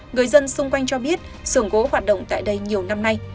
người dân xung quanh cho biết xưởng gỗ hoạt động tại đây nhiều năm nay